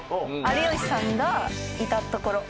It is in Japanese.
有吉さんがいたところ。